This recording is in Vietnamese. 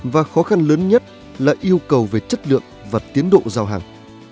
và khó khăn lớn nhất là yêu cầu về chất lượng và tiến độ giao hàng